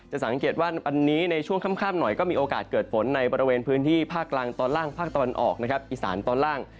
สังเกตว่าวันนี้ในช่วงค่ำหน่อยก็มีโอกาสเกิดฝนในบริเวณพื้นที่ภาคกลางตอนล่างภาคตะวันออกนะครับอีสานตอนล่าง